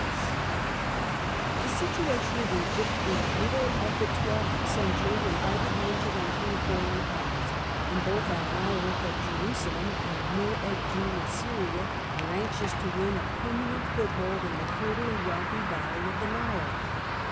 204 THE CENTRAL PERIOD OF THE MIDDLE AGE Condition The situation of Ecpypt in the middle of the twelfth century invited the intervention of foreign powers, and both Amalric of Jerusalem and Nur ed din of Syria were anxious to win a permanent foothold in the fertile and wealthy valley of the Nile.